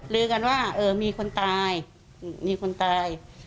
ลือกันว่ามีคนตายมีคนตาย